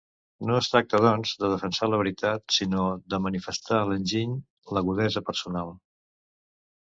No es tracta, doncs, de defensar la veritat sinó de manifestar l'enginy, l'agudesa personal.